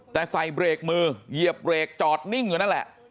แต่ใส่เบรกมือเหยียบเบรกจอดนิ่งอยู่นั่นแหละ